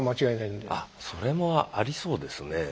それもありそうですねぇ。